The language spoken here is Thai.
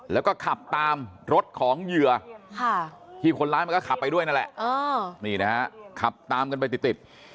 แล้วก็ขับตามรถของเหยื่อที่คนร้ายมันก็ขับไปด้วยนั่นแหละนี่นะฮะขับตามกันไปติด